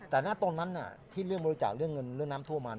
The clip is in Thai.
แต่ณตอนนั้นที่เรื่องบริจาคเรื่องเงินเรื่องน้ำท่วมมา